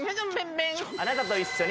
「あなたと一緒に」